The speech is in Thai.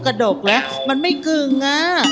กระดกนะมันไม่กึ่งน่ะ